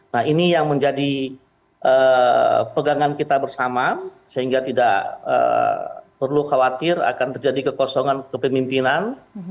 nah ini yang menjadi pegangan kita bersama sehingga tidak perlu khawatir akan terjadi kekosongan kepemimpinan